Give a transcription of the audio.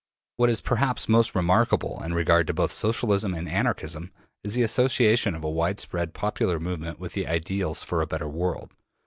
What is perhaps most remarkable in regard to both Socialism and Anarchism is the association of a widespread popular movement with ideals for a better world.